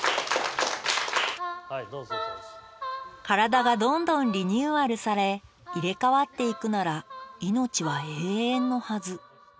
体がどんどんリニューアルされ入れ替わっていくなら命は永遠のはず。